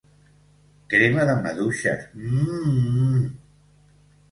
Crema de maduixes, mmm!